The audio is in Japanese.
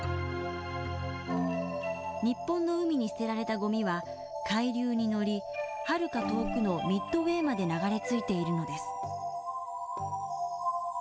日本の海に捨てられたごみは海流に乗りはるか遠くのミッドウェーまで流れ着いているのです。